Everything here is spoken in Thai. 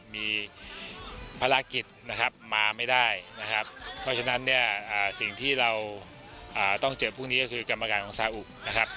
มีภารกิจนะครับมาไม่ได้นะครับเพราะฉะนั้นเนี่ยสิ่งที่เราต้องเจอพวกนี้ก็คือกรรมการของซาอุนะครับ